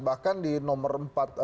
bahkan di nomor empat